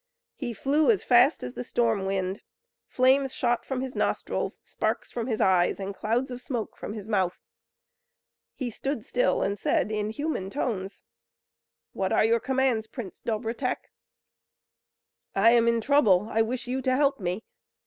He flew as fast as the storm wind, flames shot from his nostrils, sparks from his eyes, and clouds of smoke from his mouth. He stood still, and said in human tones: [Illustration: THE HORSE APPEARS IN THE STORM] "What are your commands, Prince Dobrotek?" "I am in trouble; I wish you to help me."